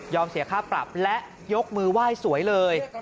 เสียค่าปรับและยกมือไหว้สวยเลย